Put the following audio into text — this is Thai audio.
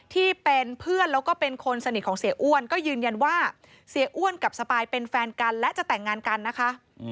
ที่เป็นเพื่อนแล้วก็เป็นคนสนิทของเสียอ้วนก็ยืนยันว่าเสียอ้วนกับสปายเป็นแฟนกันและจะแต่งงานกันนะคะ